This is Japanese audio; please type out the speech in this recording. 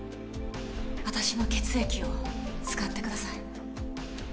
私の血液を使ってください